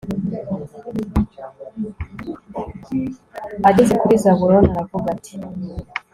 ageze kuri zabuloni aravuga ati